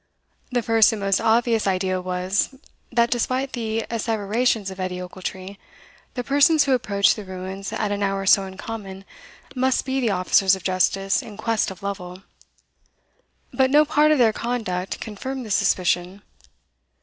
The first and most obvious idea was, that, despite the asseverations of Edie Ochiltree, the persons who approached the ruins at an hour so uncommon must be the officers of justice in quest of Lovel. But no part of their conduct confirmed the suspicion.